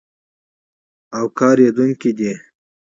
او کارېدونکی دی.